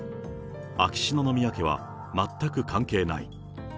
秋篠宮家は全く関係ない。